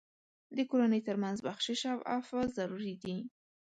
د کورنۍ تر منځ بخشش او عفو ضروري دي.